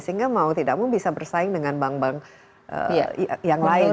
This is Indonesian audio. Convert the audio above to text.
sehingga mau tidak mau bisa bersaing dengan bank bank yang lain